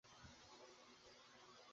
তিনি শহরটি অবরোধ করেন।